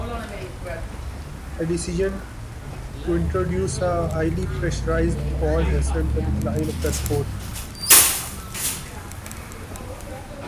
A decision to introduce a highly pressurized ball hastened the decline of the sport.